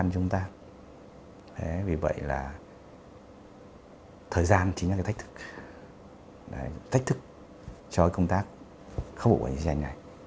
như tôi nói rồi là thứ nhất là khắc phục quả chiến tranh